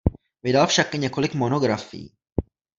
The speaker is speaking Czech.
Vydal však i několik monografií.